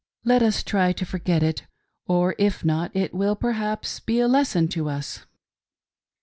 Let us try to forget it ; or, if not, it will perhaps be a lesson to us."